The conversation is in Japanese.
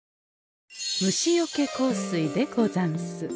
虫よけ香水でござんす。